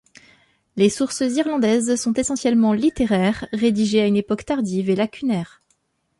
Les sources irlandaises sont essentiellement littéraires, rédigées à une époque tardive et lacunaires.